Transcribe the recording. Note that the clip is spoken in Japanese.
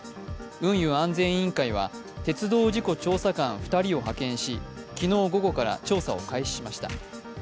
運輸安全委員会は鉄道事故調査官２人を派遣し、昨日午後から調査を開始しました。